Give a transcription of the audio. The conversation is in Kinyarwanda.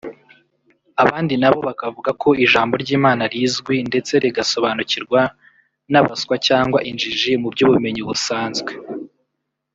abandi nabo bakavuga ko ijambo ry’Imana rizwi ndetse rigasobanukirwa n’abaswa cyangwa injiji mu by’ubumenyi busanzwe